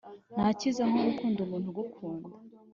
Ntakiza nkogukunda umuntu ugukunda